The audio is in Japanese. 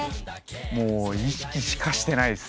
もう意識しかしてないですね。